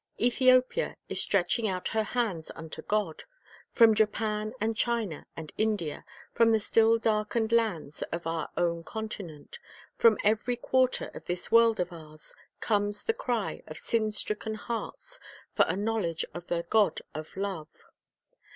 Ethiopia is stretching out her hands unto God. From Japan and China and India, from the still darkened lands of our own continent, from every quarter of this world of ours, comes the cry of sin stricken hearts for a knowledge of (202) The Life Work 263 the God of love.